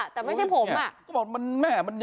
แต่ไม่ใช่ผม